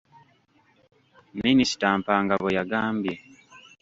Minisita Mpanga bwe yagambye.